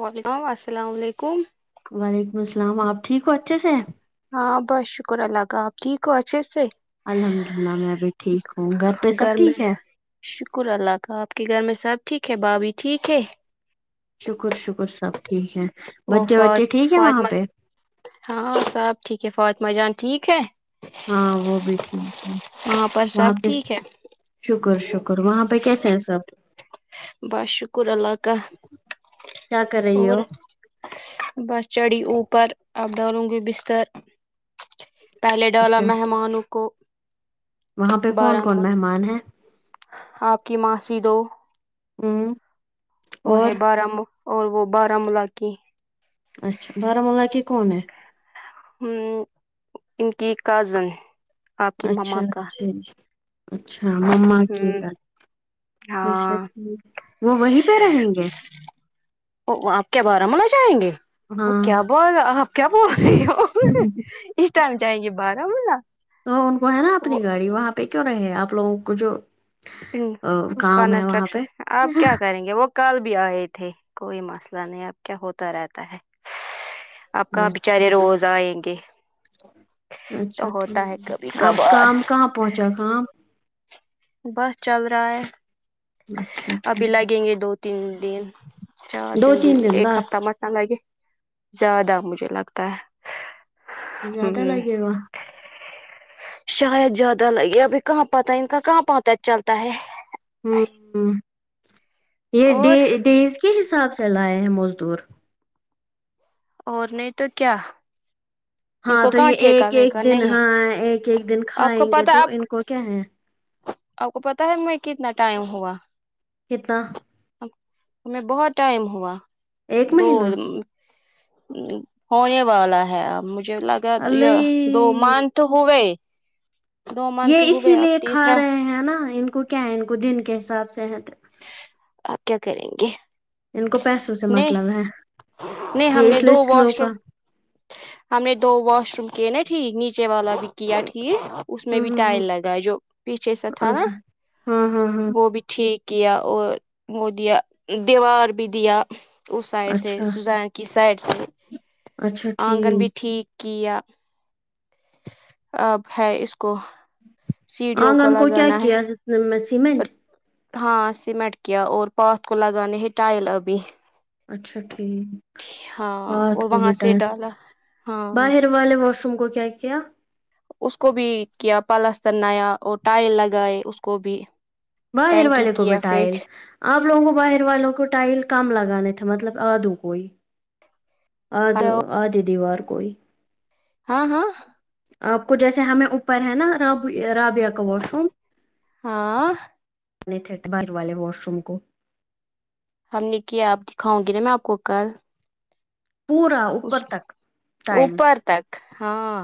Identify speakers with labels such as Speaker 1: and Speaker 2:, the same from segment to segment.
Speaker 1: وعلیکم السلام علیکم
Speaker 2: وعلیکم السلام آپ ٹھیک ہو اچھے سے
Speaker 1: ہاں بس شکر اللہ کا آپ ٹھیک ہو اچھے سے
Speaker 2: الحمد للہ میں ابھی ٹھیک ہوں گھر پہ سب ٹھیک ہے
Speaker 1: شکر اللہ کا آپ کے گھر میں سب ٹھیک ہے بھابی ٹھیک ہے
Speaker 2: شکر شکر سب ٹھیک ہے
Speaker 1: وہ
Speaker 2: بچے وچے
Speaker 1: فات
Speaker 2: ٹھیک ہے وہاں
Speaker 1: فاطمہ
Speaker 2: پہ
Speaker 1: ہاں سب ٹھیک ہے فاطمہ جان ٹھیک ہے
Speaker 2: ہاں وہ بھی ٹھیک ہے
Speaker 1: پر
Speaker 2: وہاں
Speaker 1: سب
Speaker 2: پہ
Speaker 1: ٹھیک ہے
Speaker 2: شکر شکر وہاں پہ کیسے ہیں سب
Speaker 1: بس شکر اللہ کا
Speaker 2: کیا کر رہی
Speaker 1: اور
Speaker 2: ہو
Speaker 1: بس چڑھی اوپر اب ڈالوں گی بستر پہلے ڈالا
Speaker 2: اچھا
Speaker 1: مہمانوں کو
Speaker 2: وہاں پہ کون
Speaker 1: بارہ
Speaker 2: کون مہمان ہیں
Speaker 1: آپ کی ماسی دو
Speaker 2: امم
Speaker 1: اور ہے بارامہ اور وہ باراملہ کی
Speaker 2: اچھا بارامولہ کی کون ہے
Speaker 1: امم ان کی کزن
Speaker 2: اچھا اچھا جی اچھا وہ مماں کی
Speaker 1: ہ
Speaker 2: بات اچھا
Speaker 1: ہاں
Speaker 2: ٹھیک وہ وہیں پہ رہیں گے
Speaker 1: وہ آپ کیا بارا مولہ جائیں گے
Speaker 2: ہاں
Speaker 1: کیا بول رہا آپ کیا بول رہی ہو اس ٹائم جائیں گے بارہ مولہ
Speaker 2: تو ان کو ہے نا اپنی گاڑی وہاں پہ کیوں رہے آپ لوگوں کو جو
Speaker 1: امم
Speaker 2: کام ہے وہاں پہ
Speaker 1: کنسٹرکشن آپ کیا کریں گے وہ کل بھی آئے تھے کوئی مسئلہ نہیں اب کیا ہوتا رہتا ہے آپ کہاں
Speaker 2: اچھا
Speaker 1: بچارے روز آئیں گے تو
Speaker 2: اچھا ٹھیک
Speaker 1: ہوتا کبھی
Speaker 2: ہے آپ
Speaker 1: کبھار
Speaker 2: کام کہاں پہنچا کام
Speaker 1: بس چل رہا ہے
Speaker 2: اچھا ٹھیک
Speaker 1: ابھی لگیں گے دو تین دن چار
Speaker 2: دو
Speaker 1: دن بھی
Speaker 2: تین
Speaker 1: ایک
Speaker 2: بس
Speaker 1: ہفتہ مت آ لگے زیادہ مجھے لگتا ہے
Speaker 2: زیادہ
Speaker 1: ہ
Speaker 2: لگے گا
Speaker 1: شاید زیادہ لگے ابھی کہاں پتہ ان کا کہاں پتہ چلتا ہے
Speaker 2: یہ ڈے
Speaker 1: اور
Speaker 2: ڈیز کے حساب سے لائے ہیں مزدور
Speaker 1: اور نہیں تو کیا ان
Speaker 2: ہاں
Speaker 1: کو
Speaker 2: تو
Speaker 1: کہاں
Speaker 2: یہ ایک
Speaker 1: ٹھیکا
Speaker 2: ایک
Speaker 1: ویکا
Speaker 2: دن
Speaker 1: نہیں ہے
Speaker 2: ہاں ایک ایک دن
Speaker 1: آپ کو
Speaker 2: کھائیں گے
Speaker 1: پتا
Speaker 2: تو
Speaker 1: آپ
Speaker 2: ان کو کیا ہے
Speaker 1: آپ کو پتہ ہے میں کتنا ٹائم ہوا
Speaker 2: کتنا
Speaker 1: ہمیں بہت ٹائم ہوا
Speaker 2: ایک
Speaker 1: دو
Speaker 2: مہینہ
Speaker 1: ہونے والا ہے اب مجھے لگا یہ دو
Speaker 2: اللہ
Speaker 1: مان تو ہو یے دو منتھ
Speaker 2: یہ اسی
Speaker 1: ہوگیا
Speaker 2: لیے کھا رہے ہیں نا ان کو کیا ہے ان کو دن کے حساب سے
Speaker 1: آپ کیا کریں گے
Speaker 2: ان کو پیسوں سے
Speaker 1: نہیں
Speaker 2: مطلب ہے
Speaker 1: نہیں ہم
Speaker 2: یہ
Speaker 1: نے
Speaker 2: اس
Speaker 1: دو
Speaker 2: لیے سلو
Speaker 1: واش روم
Speaker 2: کا
Speaker 1: ہم نے دو واش روم کیے نا ٹھیک نیچے والا بھی کیا ٹھیک اس میں
Speaker 2: ہ
Speaker 1: بھی
Speaker 2: ہ ہ
Speaker 1: ٹائل لگا ہے جو پیچھے سا تھا
Speaker 2: اچھا
Speaker 1: نا
Speaker 2: ہاں ہاں ہاں
Speaker 1: وہ بھی ٹھیک کیا اور وہ دیا دیوار بھی دیا اس سائڈ سے
Speaker 2: اچھا
Speaker 1: سوزان کی سائڈ سے آنگن بھی ٹھیک کیا اب ہے اس کو سیڑھیوں
Speaker 2: آنگن کو کیا
Speaker 1: لگانا ہے
Speaker 2: کیا میں سم میں
Speaker 1: ہاں سیمٹ کیا اور پاتھ کو لگانے ہیں ٹائل ابھی
Speaker 2: اچھا ٹھیک
Speaker 1: ہاں
Speaker 2: ہات
Speaker 1: اور
Speaker 2: کو
Speaker 1: وہاں
Speaker 2: بیٹا
Speaker 1: سے ڈالا ہاں
Speaker 2: باہر ہو والے واش روم کو کیا
Speaker 1: اس کو بھی کیا پالستر نیا اور ٹائل لگائے اس کو بھی
Speaker 2: باہر
Speaker 1: ٹینکی
Speaker 2: والے کو بھی
Speaker 1: کیا
Speaker 2: ٹایلس
Speaker 1: فکس
Speaker 2: آپ لوگوں کو باہر والوں کو ٹائل کم لگانے تھے مطلب آدھو کو ہی آد آدھی دیوار کوئی
Speaker 1: ہاں ہاں
Speaker 2: آپ کو جیسے ہمیں اوپر ہے نا راب رابیا واش روم
Speaker 1: ہاں
Speaker 2: نے تھبر والے واش روم کو
Speaker 1: ہم نے کیا آپ دکھاؤں گی نا میں آپ کو کل
Speaker 2: پورا اوپر تک ٹائلس
Speaker 1: اوپر تک ہاں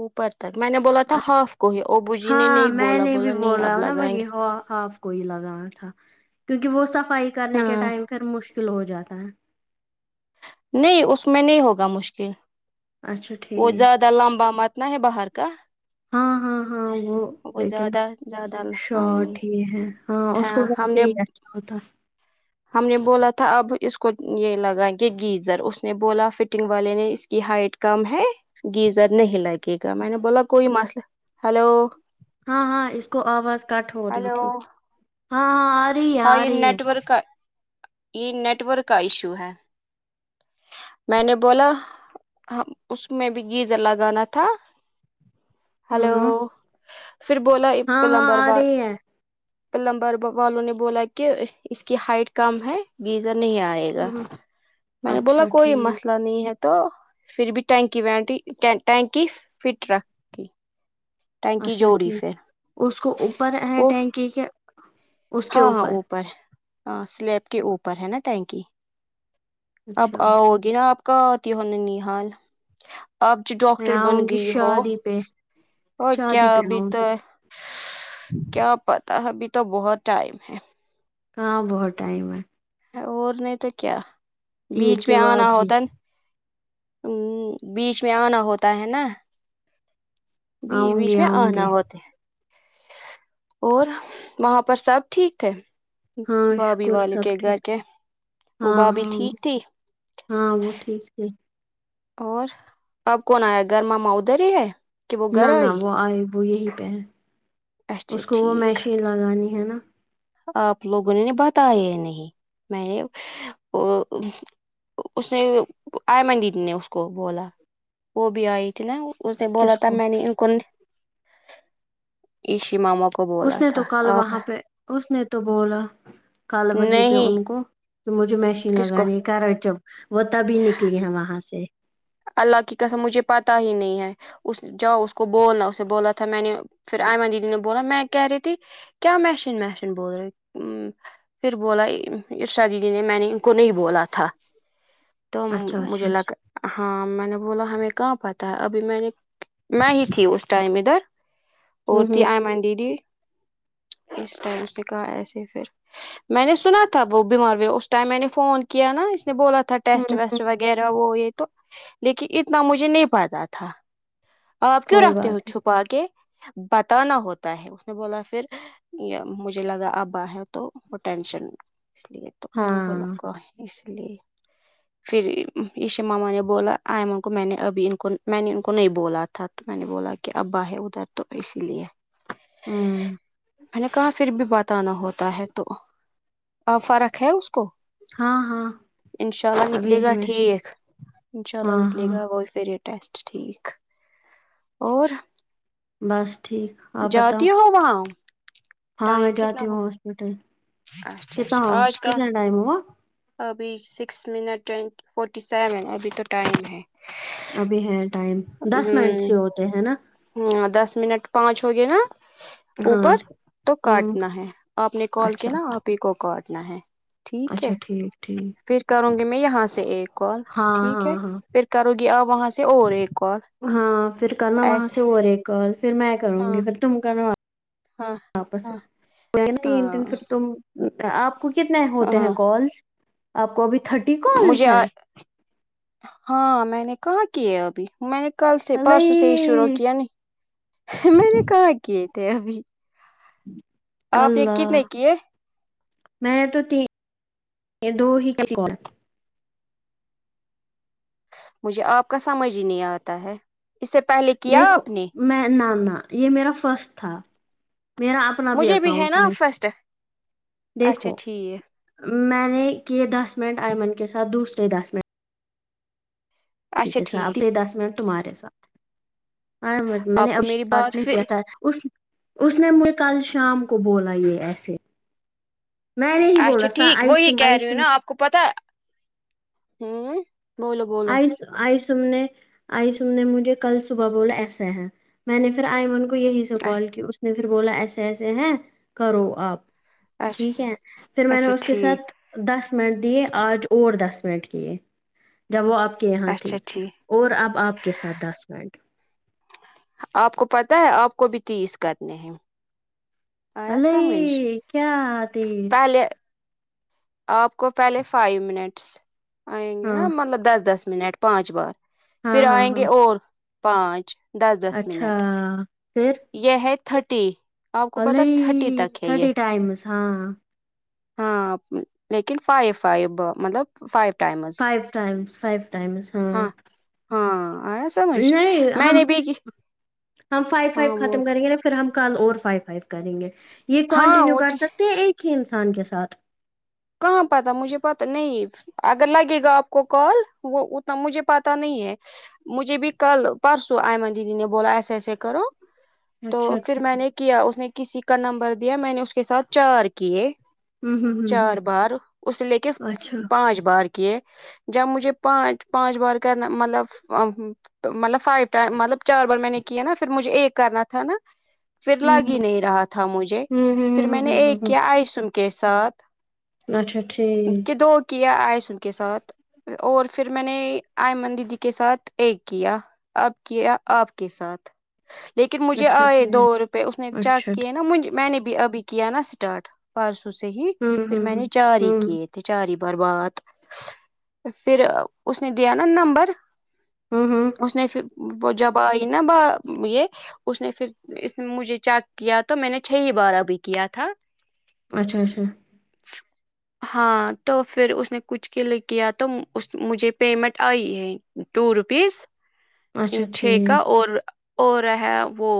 Speaker 1: اوپر تک میں نے بولا تھا
Speaker 2: اچھا
Speaker 1: ہاف کو ہی اوبو جی نے نہیں بولا بولا نہیں اب لگائیں گے
Speaker 2: آو ہا کوئی لگا تھا کیونکہ وہ صفائی کرنے کے
Speaker 1: ہاں
Speaker 2: ٹائم پھر مشکل ہو جاتا ہے
Speaker 1: نہیں اس میں نہیں ہوگا مشکل
Speaker 2: اچھا
Speaker 1: وہ
Speaker 2: ٹھیک
Speaker 1: زیادہ لمبا متنا ہے باہر کا
Speaker 2: ہاں ہاں ہاں وہ لیکن
Speaker 1: زیادہ زیادہ
Speaker 2: شو
Speaker 1: ہم
Speaker 2: ٹ ہی ہے ہاں اس کو
Speaker 1: ہم
Speaker 2: ویسے
Speaker 1: نے
Speaker 2: ہی اچھا ہوتا
Speaker 1: ہم نے بولا تھا اب اس کو یہ لگائیں گے گیزر اس نے بولا فٹنگ والے نے اس کی ہائٹ کم ہے گیزر نہیں لگے گا میں نے بولا کوئی مسئلہ ہلو
Speaker 2: ہاں ہاں اس کو آواز کٹ ہو رہی
Speaker 1: ہلو
Speaker 2: تھی ہاں ہاں آر
Speaker 1: ہاں یہ نیٹورک کا یہ نیٹورک کا ایشو ہے میں نے بولاہاں اس میں بھی گیزر لگانا تھا
Speaker 2: ہوں
Speaker 1: ہیلو
Speaker 2: ہوں
Speaker 1: پھر بولا ایک
Speaker 2: ہاں ہاں
Speaker 1: پلمبر
Speaker 2: آ
Speaker 1: وال
Speaker 2: رہی ہے
Speaker 1: پلمبر بو والوں نے بولا کہ اس کی ہائٹ کم ہے گیزر نہیں آ رہا گا
Speaker 2: ہوں
Speaker 1: میں نے بولا
Speaker 2: اچھا
Speaker 1: کوئی
Speaker 2: ٹھیک
Speaker 1: مسئلہ نہیں ہے تو پھر بھی ٹینکی بینٹی ٹینکی فٹ رکھ
Speaker 2: اچھا ٹھیک
Speaker 1: پھر
Speaker 2: اس کو اوپر ہے
Speaker 1: وہ
Speaker 2: ٹینکی کے اس کے
Speaker 1: ہاں ہاں اوپر ہاں سلیب کے اوپر ہے نا ٹینکی اب
Speaker 2: اچھا
Speaker 1: آؤگی نا آپ کا آتی ہونا نانی حال آبچی ڈاکٹر بن گئی ہو
Speaker 2: بیر
Speaker 1: اور کیا ابھی تو کیا پتہ ابھی تو بہت ٹائم ہے
Speaker 2: ہاں بہت ٹائم ہے
Speaker 1: اور نہیں تو کیا
Speaker 2: عید
Speaker 1: بیچ میں
Speaker 2: کے
Speaker 1: آنا
Speaker 2: بعد ہی
Speaker 1: ہوتن ہمم بیچ میں آنا ہوتا ہے نا بیچ
Speaker 2: آؤں
Speaker 1: بیچ
Speaker 2: گی
Speaker 1: میں
Speaker 2: آؤں
Speaker 1: آنا
Speaker 2: گی
Speaker 1: ہوتے ہیں اور وہاں پر سب ٹھیک ہے
Speaker 2: ہاں
Speaker 1: بھابھی
Speaker 2: شکر
Speaker 1: والے
Speaker 2: سب
Speaker 1: کے
Speaker 2: ٹھیک
Speaker 1: گھر کے وہ
Speaker 2: ہاں
Speaker 1: بھابھی
Speaker 2: ہاں
Speaker 1: ٹھیک تھی
Speaker 2: ہاں وہ ٹھیک تھی
Speaker 1: اور اب کون آیا گر ماما ادھر ہی ہے کہ وہ
Speaker 2: نہ
Speaker 1: گھر
Speaker 2: نہ
Speaker 1: آئی
Speaker 2: وہ آئے وہ یہی پہ ہے
Speaker 1: اچھا
Speaker 2: اس کو وہ
Speaker 1: ٹھیک
Speaker 2: مشین لگانی ہے نا
Speaker 1: آپ لوگوں نے نے بتایا نہیں میں نے ا اس نے آئمن دیدی نے اس کو بولا وہ بھی آئی تھی نا اس نے بولا
Speaker 2: کس
Speaker 1: تھا
Speaker 2: کو
Speaker 1: میں نے ان کو ایشی ماما کو
Speaker 2: اس
Speaker 1: بولا
Speaker 2: نے تو
Speaker 1: تھا
Speaker 2: کل
Speaker 1: آپ
Speaker 2: وہاں پہ اس نے تو بولا کل وہیں پہ
Speaker 1: نہیں
Speaker 2: ان کو کہ مجھے م
Speaker 1: کس کو
Speaker 2: لگانے کا جب وہ تبھی نکلی ہے وہاں سے
Speaker 1: اللہ کی قسم مجھے پتا ہی نہیں ہے اس جاؤ اس کو بولنا اسے بولا تھا میں نے پھر آئمن دیدی نے بولا میں کہہ رہی تھی کیا محشن محشن بول رہے پھر بولا اشا دیدی نے میں نے ان کو نہیں بولا تھا تو
Speaker 2: اچھا
Speaker 1: مجھے
Speaker 2: اچھا
Speaker 1: لگ
Speaker 2: اچھا
Speaker 1: ہاں میں نے بولا ہمیں کہاں پتہ ہے ابھی میں نے میں ہی تھی اس ٹائم ادھر اور
Speaker 2: ہوں
Speaker 1: تھی
Speaker 2: ہوں
Speaker 1: آئمن دیدی اس ٹائم سے کہا ایسے پھر میں نے سنا تھا وہ بیمار ہو اس ٹائم میں نے فون کیا نا اس نے بولا تھا ٹیسٹ
Speaker 2: ہوں ہوں
Speaker 1: ویسٹ وغیرہ وہ یہ تو لیکن اتنا مجھے نہیں پتا تھا آپ کیوں
Speaker 2: کوئی
Speaker 1: رکھتے
Speaker 2: بات
Speaker 1: ہو
Speaker 2: نہیں
Speaker 1: چھپا کے بتانا ہوتا ہے اس نے بولا پھر مجھے لگا اب آ ہے تو وہ ٹینشن اس لیے تو میں نے بولا
Speaker 2: ہاں
Speaker 1: کو اس لیے پھر ایشی ماما نے بولا آئمن کو میں نے ابھی ان کو میں نے ان کو نہیں بولا تھا تو میں نے بولا کہ ابا ہے ادھر تو اسی لیے
Speaker 2: ہمم
Speaker 1: میں نے کہاں پھر بھی بتانا ہوتا ہے تو فرق ہے اس کو
Speaker 2: ہاں ہاں
Speaker 1: انشاء اللہ
Speaker 2: اب
Speaker 1: نکلے
Speaker 2: یہی
Speaker 1: گا
Speaker 2: میں
Speaker 1: ٹھیک انشاء
Speaker 2: ہاں
Speaker 1: اللہ نکلے
Speaker 2: ہاں
Speaker 1: گا وہ فری ٹیسٹ ٹھیک اور
Speaker 2: بس ٹھیک آپ بتاؤ
Speaker 1: جاتی ہو وہا
Speaker 2: ہاں میں جاتی ہوں ہاسپٹل
Speaker 1: اچھا
Speaker 2: کتنا
Speaker 1: اچھا آج کا
Speaker 2: کتنا ٹائم ہوا
Speaker 1: ابھی سکس منٹ ٹ فورٹی سیون ابھی تو ٹائم ہے
Speaker 2: ابھی ہے ٹائم دس منٹ سے ہوتے ہیں نا
Speaker 1: ہاں دس منٹ پانچ ہوگیا نا
Speaker 2: ہاں
Speaker 1: اوپر تو
Speaker 2: ہوں
Speaker 1: کاٹنا ہے آپ نے کال کیا
Speaker 2: اچھا
Speaker 1: نا آپ ہی کو کاٹنا ہے ٹھیک ہے
Speaker 2: اچھا ٹھیک ٹھیک
Speaker 1: پھر کروں گی میں یہاں سے ایک کال
Speaker 2: ہاں
Speaker 1: ٹھیک ہے
Speaker 2: ہاں ہاں
Speaker 1: پھر کرو گی آپ وہاں سے اور ایک کال
Speaker 2: ہاں پھر کرنا وہاں
Speaker 1: ایسے
Speaker 2: سے اور ایک کال پھر میں کروں گی
Speaker 1: ہاں
Speaker 2: پھر تم کرنا
Speaker 1: ہاں
Speaker 2: آپس [unintelligible] سے
Speaker 1: ہاں
Speaker 2: تین
Speaker 1: ہاں
Speaker 2: دن پھر تم آپ آپ کو کتنے ہوتے ہیں
Speaker 1: ہاں
Speaker 2: کالس آپ کو ابھی تھرٹی کالس
Speaker 1: مجھے
Speaker 2: ہیں
Speaker 1: ہاں میں نے کہاں کیے ابھی میں نے کل سے پرسوں سے ہی شروع
Speaker 2: الئی
Speaker 1: کیا نہیں میں نے کہاں کیے تھے ابھی آپ نے
Speaker 2: اللہ
Speaker 1: کتنے کیے
Speaker 2: میں تو تین ہ [unintelligible] دو ہی کری کال
Speaker 1: مجھے آپ کا سمجھ ہی نہیں آتا ہے اس سے پہلے کیا
Speaker 2: دیکھو
Speaker 1: آپ نے
Speaker 2: میں نہ نہ یہ میرا فرسٹ تھا میرا آ سنا بھی
Speaker 1: مجھے ہے
Speaker 2: اکاؤنٹ
Speaker 1: نا
Speaker 2: نے
Speaker 1: فرسٹ اچھا
Speaker 2: دیکھو
Speaker 1: ٹھیک
Speaker 2: میں نے کہ دس منٹ ایئمن کے ساتھ دوسرے دس منٹ ٹھیک ہے صاحب لیے دس منٹ تمہارے ساتھ آیمن میں
Speaker 1: آپ
Speaker 2: نے
Speaker 1: کو
Speaker 2: اب
Speaker 1: میری
Speaker 2: سٹارٹ
Speaker 1: بات
Speaker 2: نہیں کیا
Speaker 1: پھر
Speaker 2: تھا اس اس نے مجھ کل شام کو بولا یہ ایسے میں نہیں بولا
Speaker 1: اچھا
Speaker 2: سا
Speaker 1: ٹھیک وہی
Speaker 2: آئیسم
Speaker 1: کہہ رہی ہوں
Speaker 2: آئیسم
Speaker 1: نا آپ کو پتا ہوں بولو بولو
Speaker 2: آئیس آئی سمنے آئی سمنے مجھے کل صبح بولا ایسا ہے میں نے پھر آئیمن کو یہی سے کال کی اس نے پھر بولا ایسے ایسے ہیں کرو آپ
Speaker 1: اچھا
Speaker 2: ٹھیک ہے پھر میں نے
Speaker 1: اچھا
Speaker 2: اس کے
Speaker 1: ٹھیک
Speaker 2: ساتھ دس منٹ دیے آج اور دس منٹ کیے جب وہ آپ کے یہاں تھی
Speaker 1: اچھا ٹھیک
Speaker 2: اور اب آپ کے ساتھ دس منٹ
Speaker 1: آپ کو پتہ ہے آپ کو بھی تیس کرنے ہیں آیا سمجھ
Speaker 2: نہیں کیا تیس
Speaker 1: پہلے آپ کو پہلے فائیو منٹس آئیں گے نا
Speaker 2: ہاں
Speaker 1: مطلب دس دس منٹ پانچ بار پھر
Speaker 2: ہاں ہاں
Speaker 1: آئیں
Speaker 2: ہاں
Speaker 1: گے اور پانچ دس دس
Speaker 2: اچھا
Speaker 1: منٹ
Speaker 2: پھر
Speaker 1: یہ ہے تھرٹی آپ کو پتا تھرٹی
Speaker 2: الہی
Speaker 1: تک ہے یہ
Speaker 2: تھرٹی ٹائمس ہاں
Speaker 1: ہاں لیکن فائ فائ مطلب five timer
Speaker 2: five times five times ہاں
Speaker 1: ہاں آیا سمجھ
Speaker 2: نہیں
Speaker 1: میں
Speaker 2: ہم
Speaker 1: نے بھی کی-
Speaker 2: ہم فائیو فائیو
Speaker 1: ہاں بول
Speaker 2: ختم کریں گے پھر ہم کل اور فائیو فائیو کریں گے یہ
Speaker 1: ہاں
Speaker 2: کنٹینیو
Speaker 1: وہ
Speaker 2: کر
Speaker 1: ٹھیک
Speaker 2: سکتے ہیں ایک ہی انسان کے ساتھ
Speaker 1: کہاں پتہ مجھے پتہ نہیں اگر لگے گا آپ کو کال وہ اتنا مجھے پتا نہیں ہے مجھے بھی کل پرسوں آئمن دی نے بولا ایسے ایسے کرو تو
Speaker 2: اچھا
Speaker 1: پھر
Speaker 2: اچھا
Speaker 1: میں نے کیا اس نے کسی کا نمبر دیا میں نے اس کے ساتھ چار کیے
Speaker 2: ہوں ہوں ہوں
Speaker 1: چار
Speaker 2: ہوں
Speaker 1: بار اسے لے کے
Speaker 2: اچھا
Speaker 1: پانچ بار کیے جب مجھے پانچ پانچ بار کرنا مطلب مطلب فائیو ٹم مطلب چار بار میں نے کیا نا پھر مجھے ایک کرنا تھا نا پھر
Speaker 2: ہوں
Speaker 1: لگ ہی نہیں رہا تھا مجھے
Speaker 2: ہوں ہوں
Speaker 1: پھر میں نے
Speaker 2: ہوں ہوں
Speaker 1: ایک
Speaker 2: ہوں ہوں ہوں
Speaker 1: کیا آئسن کے ساتھ
Speaker 2: اچھا ٹھیک
Speaker 1: کہ دو کی آئسن کے ساتھ اور پھر میں نے ایمن دیدی کے ساتھ ایک کیا اب کیا آپ کے ساتھ لیکن مجھے
Speaker 2: اچھا
Speaker 1: آئے دو
Speaker 2: ٹھیک
Speaker 1: رپہ اس نے چیک
Speaker 2: اچھا
Speaker 1: کیے نا میں نے بھی ابھی کیا نا اسٹارٹ پرسوں سے ہی
Speaker 2: ہوں
Speaker 1: پھر
Speaker 2: ہوں
Speaker 1: میں نے
Speaker 2: ہوں
Speaker 1: چار ہی
Speaker 2: ہوں
Speaker 1: کیے تھ چاری بار بات پھر اس نے دیا نا نمبر
Speaker 2: ہوں ہوں
Speaker 1: اس نے ھ وہ جب آئی نا ب یہ اس نے پھر اس نے مجھے چیک کیا تو میں نے چھ ہی بارہ بھی کیا تھا
Speaker 2: اچھا اچھا
Speaker 1: ہاں تو پھر اس نے کچھ کلک کیا تو مجھے پیمنٹ آئی ہے ٹو روپیز
Speaker 2: اچھا
Speaker 1: ان چھ کا
Speaker 2: ٹھیک
Speaker 1: اور اور رہ ہے وہ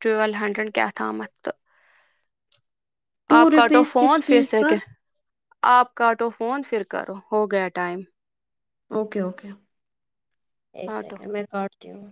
Speaker 1: ٹویل ہنڈریڈ کیا تھا تو
Speaker 2: ٹو
Speaker 1: کاٹو
Speaker 2: روپیز
Speaker 1: فون
Speaker 2: کس
Speaker 1: پھر
Speaker 2: چیز کا
Speaker 1: [unintelligible] آپ کاٹو فون پھر کرو ہو گیا ٹائم
Speaker 2: اوکے اوکے ایک
Speaker 1: کاٹو
Speaker 2: سیکنڈ میں کاٹتی ہوں